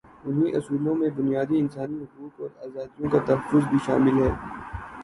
انہی اصولوں میں بنیادی انسانی حقوق اور آزادیوں کا تحفظ بھی شامل ہے۔